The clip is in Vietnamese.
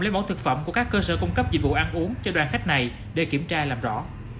lấy bỏ thực phẩm của các cơ sở cung cấp dịch vụ ăn uống cho đoàn khách này để kiểm tra làm rõ